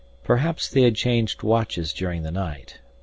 Perhaps they had changed watches during the night.